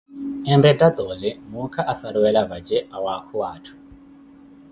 Enretta toole muuka asaruwela vaje, awaakuwa atthu.